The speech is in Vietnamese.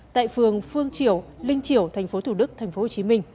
tại phường phương triểu linh triểu tp thủ đức tp hcm